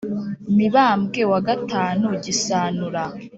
mibambwe wa gatanu gisanura